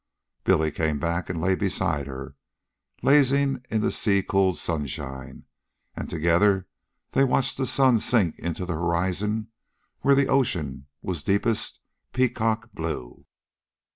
Billy came back and lay beside her, lazying in the sea cool sunshine, and together they watched the sun sink into the horizon where the ocean was deepest peacock blue.